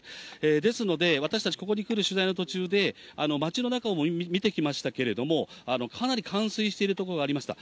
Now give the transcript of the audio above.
ですので、私たちここに来る取材の途中で、町の中を見てきましたけれども、かなり冠水している所がありました。